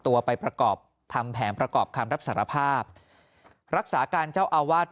ตัวไปประกอบทำแผนประกอบคำรับสารภาพรักษาการเจ้าอาวาส